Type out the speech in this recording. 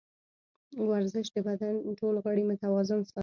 ورزش د بدن ټول غړي متوازن ساتي.